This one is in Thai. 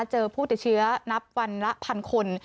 เจอผู้ติดเชื้อนับวันละพันคน